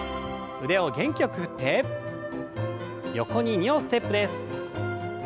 腕を元気よく振って横に２歩ステップです。